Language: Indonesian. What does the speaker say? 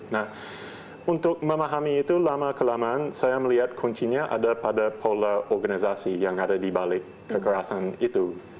nah untuk memahami itu lama kelamaan saya melihat kuncinya ada pada pola organisasi yang ada di balik kekerasan itu